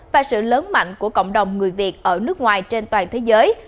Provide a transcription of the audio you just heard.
và sự lớn mạnh của cộng đồng người việt ở nước ngoài trên toàn thế giới